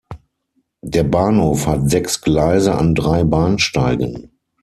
Der Bahnhof hat sechs Gleise an drei Bahnsteigen.